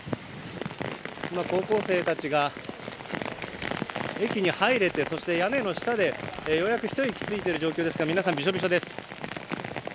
今、高校生たちが駅に入れてそして屋根の下でようやく一息ついている状況ですが皆さん、びしょびしょです。